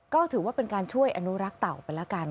ก็ถือว่าเป็นการช่วยอนุรักษ์เต่าไปแล้วกัน